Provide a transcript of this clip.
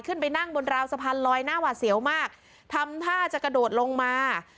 ขึ้นไปนั่งบนราวสะพานลอยหน้าหวาดเสียวมากทำท่าจะกระโดดลงมา